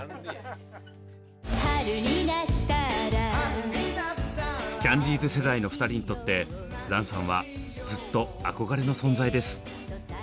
「春になったら」キャンディーズ世代の２人にとって蘭さんはずっと憧れの存在です。